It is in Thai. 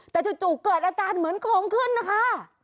แต่จู่เกิดอาการเหมือนของขึ้นนะคะ